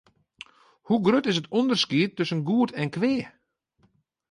Hoe grut is it ûnderskied tusken goed en kwea?